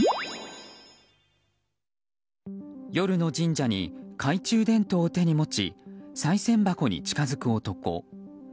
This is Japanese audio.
夜の神社に懐中電灯を手に持ちさい銭箱に近づく男。